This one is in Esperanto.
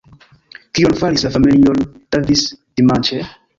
Kion faris la familio Davis dimanĉe?